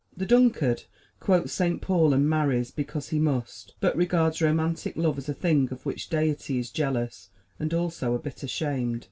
The Dunkard quotes Saint Paul and marries because he must, but regards romantic love as a thing of which Deity is jealous, and also a bit ashamed.